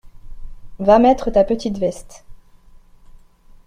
Va mettre ta petite veste.